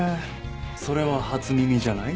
それは初耳じゃない？